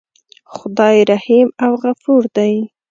خدای رحیم او غفور دی.